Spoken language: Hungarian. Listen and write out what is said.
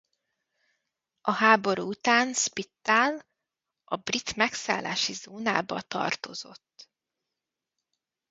A háború után Spittal a brit megszállási zónába tartozott.